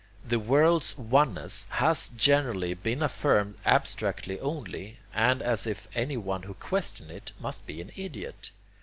The world's oneness has generally been affirmed abstractly only, and as if anyone who questioned it must be an idiot.